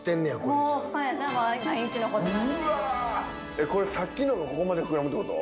うわこれさっきのがここまで膨らむってこと？